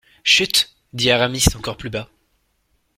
Chut ! dit Aramis encore plus bas.